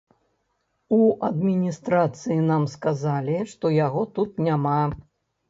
У адміністрацыі нам сказалі, што яго тут няма.